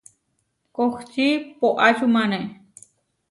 Kohčí poʼačúmane.